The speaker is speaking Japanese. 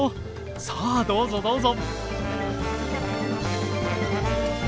さあどうぞどうぞ。